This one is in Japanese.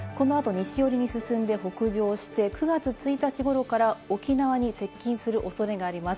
このあと西寄りに進んで北上して、９月１日頃から沖縄に接近するおそれがあります。